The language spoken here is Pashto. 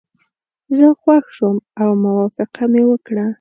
زه خوښ شوم او موافقه مې وکړه.